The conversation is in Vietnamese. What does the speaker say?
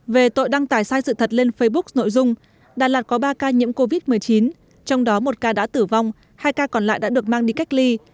về tội đăng tải sai sự thật lên facebook nội dung đà lạt có ba ca nhiễm covid một mươi chín trong đó một ca đã tử vong hai ca còn lại đã được mang đi cách ly